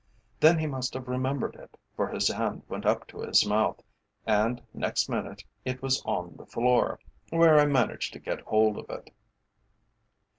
Then he must have remembered it, for his hand went up to his mouth, and next minute it was on the floor, where I managed to get hold of it."